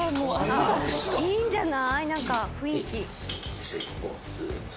いいんじゃない⁉何か雰囲気。